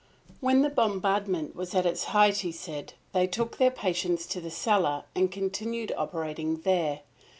When the bombardment was at its height, he said, they took their patients to the cellar and continued operating there.